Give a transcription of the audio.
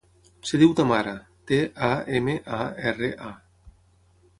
Es diu Tamara: te, a, ema, a, erra, a.